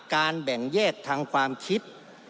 การแบ่งแยกทางความคิด